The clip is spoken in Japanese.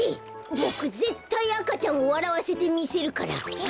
ボクぜったい赤ちゃんをわらわせてみせるから。